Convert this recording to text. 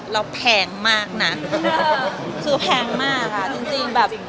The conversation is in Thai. แพงมากนะคือแพงมากค่ะจริงแบบ